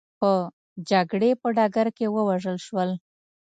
په جګړې په ډګر کې ووژل شول.